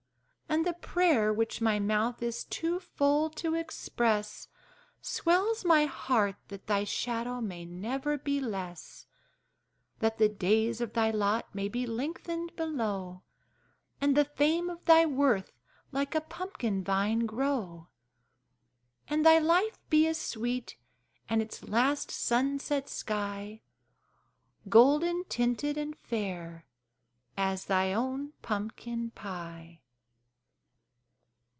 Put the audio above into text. And the prayer, which my mouth is too full to express, Swells my heart that thy shadow may never be less, That the days of thy lot may be lengthened below, And the fame of thy worth like a pumpkin vine grow, And thy life be as sweet, and its last sunset sky Golden tinted and fair as thy own Pumpkin pie!